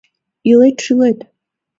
— Илет-шӱлет!